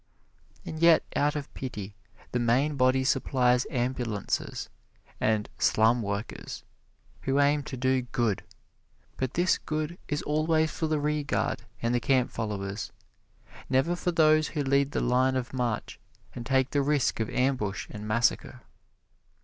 And yet, out of pity, the main body supplies ambulances and "slum workers," who aim to do "good" but this good is always for the rearguard and the camp followers, never for those who lead the line of march, and take the risk of ambush and massacre.